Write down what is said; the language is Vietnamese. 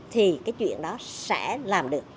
thì cái chuyện đó sẽ làm được